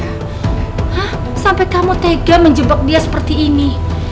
hah sampai kamu tega menjebak dia seperti ini